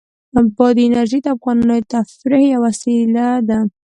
بادي انرژي د افغانانو د تفریح یوه وسیله ده.